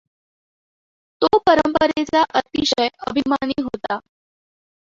तो परंपरेचा अतिशय अभिमानी होता.